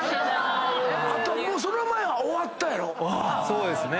そうですね。